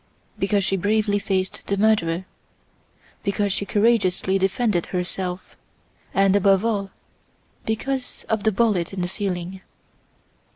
"Because she bravely faced the murderer; because she courageously defended herself and, above all, because of the bullet in the ceiling."